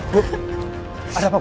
bu ada apa bu